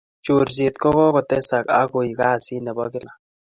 chornatet ko kokotesak ak koek kasit nebo kila